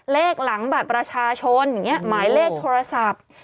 เลขหลังบัตรประชาชนอย่างนี้หมายเลขโทรศัพท์